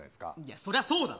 そりゃそうだろ。